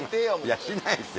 いやしないですよ。